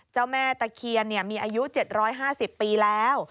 เจ้าแม่ตะเคียนมีอายุ๗๕๐ปีแล้ว